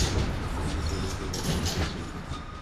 তিনি গুরুত্বপূর্ণ ভূমিকা পালন করেছিলেন।